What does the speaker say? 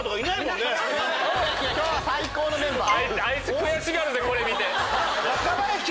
今日最高のメンバー！